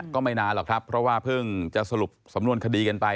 ก็ไม่นานหรอกครับเพราะว่าเพิ่งจะสรุปสำนวนคดีกันไป